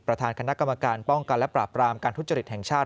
คณะกรรมการป้องกันและปราบรามการทุจริตแห่งชาติ